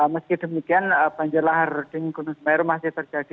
meski demikian banjir lahar di gunung semeru masih terjadi